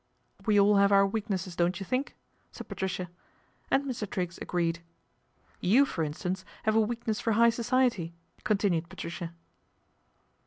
"We all have our weaknesses, don't you think? " said Patricia. And Mr. Triggs agreed. " You, for instance, have a weakness for Higt Society," continued Patricia.